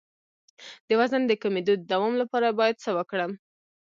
د وزن د کمیدو د دوام لپاره باید څه وکړم؟